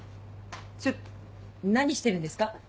ちょっと何してるんですか？